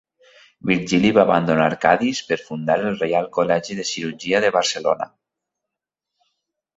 Virgili va abandonar Cadis per fundar el Reial Col·legi de Cirurgia de Barcelona.